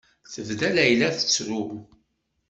Tebda Layla tettru.